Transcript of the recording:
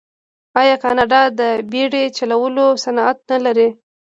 آیا کاناډا د بیړۍ چلولو صنعت نلري؟